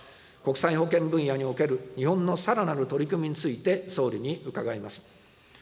国際保健分野における日本のさらなる取り組みについて総理に伺います。